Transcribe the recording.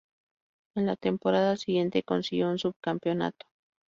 En la temporada siguiente consiguió un subcampeonato.